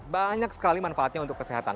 banyak sekali manfaatnya untuk kesehatan